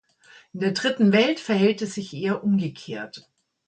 In der Dritten Welt verhält es sich eher umgekehrt.